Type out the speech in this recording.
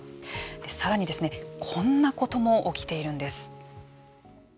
さらに、こんなことも起きているんです。